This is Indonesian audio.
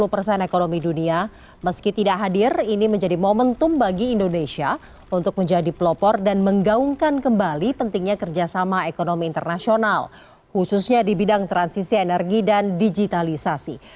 lima puluh persen ekonomi dunia meski tidak hadir ini menjadi momentum bagi indonesia untuk menjadi pelopor dan menggaungkan kembali pentingnya kerjasama ekonomi internasional khususnya di bidang transisi energi dan digitalisasi